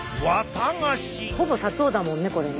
ほぼ砂糖だもんねこれね。